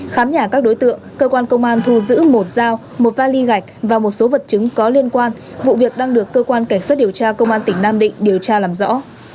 khám nhà các đối tượng cơ quan công an thu giữ một dao một vali gạch và một số vật chứng có liên quan vụ việc đang được cơ quan cảnh sát điều tra công an tỉnh nam định điều tra làm rõ